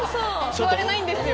座れないんですよ。